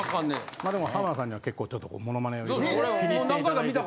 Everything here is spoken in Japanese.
まあでも浜田さんには結構ちょっとモノマネを色々気に入っていただいてて。